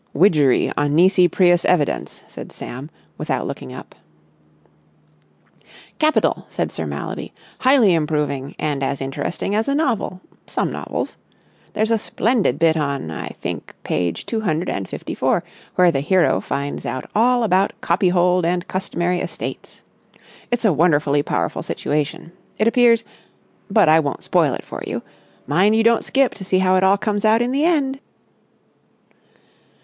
"Widgery on Nisi Prius Evidence," said Sam, without looking up. "Capital!" said Sir Mallaby. "Highly improving and as interesting as a novel—some novels. There's a splendid bit on, I think, page two hundred and fifty four where the hero finds out all about Copyhold and Customary Estates. It's a wonderfully powerful situation. It appears—but I won't spoil it for you. Mind you don't skip to see how it all comes out in the end!"